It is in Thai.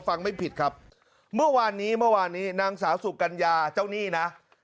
ฟังไม่ผิดครับเมื่อวานนี้นางสาโสกัญญาเจ้านี่น่ะ